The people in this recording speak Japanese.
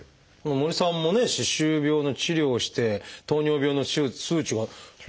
森さんもね歯周病の治療をして糖尿病の数値がみるみると。